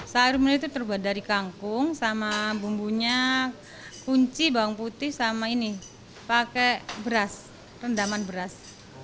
sayur mayur itu terbuat dari kangkung sama bumbunya kunci bawang putih sama ini pakai beras rendaman beras